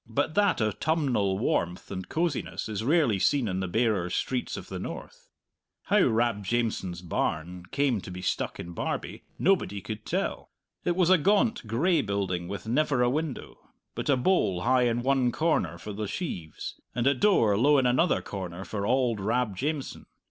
But that autumnal warmth and cosiness is rarely seen in the barer streets of the north. How Rab Jamieson's barn came to be stuck in Barbie nobody could tell. It was a gaunt, gray building with never a window, but a bole high in one corner for the sheaves, and a door low in another corner for auld Rab Jamieson.